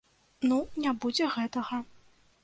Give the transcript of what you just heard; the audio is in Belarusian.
Ну не будзе гэтага.